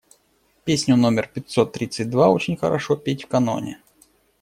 Песню номер пятьсот тридцать два очень хорошо петь в каноне.